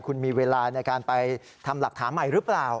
คุณมีเวลาในการไปทำหลักฐานใหม่หรือเปล่า